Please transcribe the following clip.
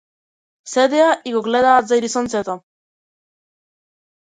Седеа и го гледаат зајдисонцето.